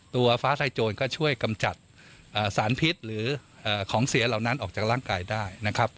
ตัวฟ้าทลายโจรก็ช่วยกำจัดสารพิษหรือของเสียเหล่านั้นออกจากร่างกายได้นะครับ